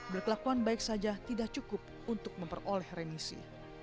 berkelakuan baik saja tidak cukup untuk memperoleh remisi